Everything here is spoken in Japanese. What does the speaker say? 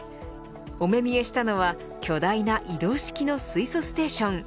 お目見えしたのは巨大な移動式の水素ステーション。